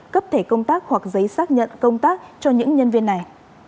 cấp thể công tác hoặc giấy xác nhận công tác cho những nhân viên này